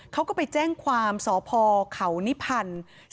เขาก็ไปแจ้งความสพเขานิพันธ์